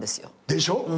でしょ？